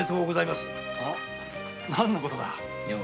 一体何のことだ？